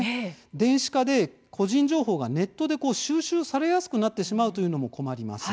電子化で個人情報がネットで収集されやすくなってしまうというのも困ります。